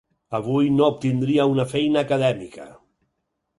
Avui no obtindria una feina acadèmica.